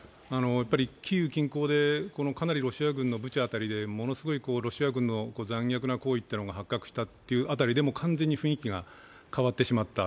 やっぱりキーウ近郊でウクライナのブチャ辺りでものすごいロシア軍の残虐行為が発覚した辺りで完全に雰囲気が変わってしまった。